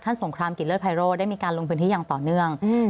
ท่านสงครามกิจเลิศไพโรได้มีการลงพื้นที่อย่างต่อเนื่อง